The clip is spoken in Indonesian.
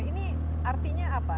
ini artinya apa